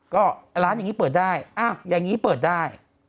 ก็ร้านอย่างนี้เปิดได้อย่างนี้เปิดได้